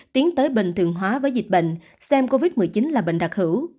tiến tới bình thường hóa với dịch bệnh xem covid một mươi chín là bệnh đặc hữu